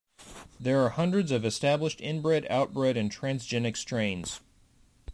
There are hundreds of established inbred, outbred, and transgenic strains.